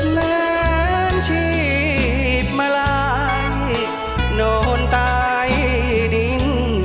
แม้ชีพมาลายโน่นตายดิน